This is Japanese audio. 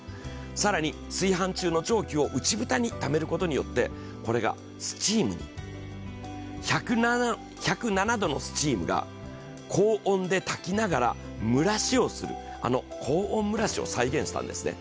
更に炊飯中の蒸気を内蓋にためることによって１０７度のスチームか高温で炊きながら蒸らしをする、あの高温蒸らしを再現したんですね。